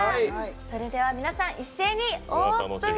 それでは皆さん一斉にオープン！